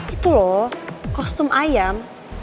itu loh kostum ayam